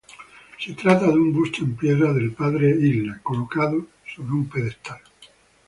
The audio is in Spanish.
Se trata de un busto en piedra del Padre Isla, colocado sobre un pedestal.